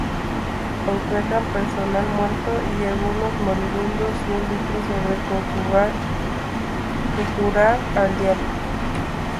Encuentran personal muerto y algunos moribundos y un libro sobre conjurar al Diablo.